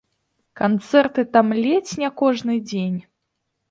Канцэрты там ледзь не кожны дзень.